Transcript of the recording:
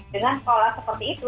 dengan sekolah seperti itu